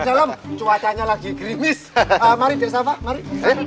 dalam cuacanya lagi krimis mari bisa pak mari